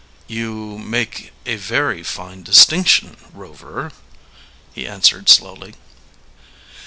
"You make a very fine distinction, Rover," he answered slowly.